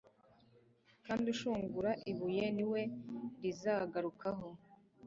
kandi ushungura ibuye, ni we rizagarukaho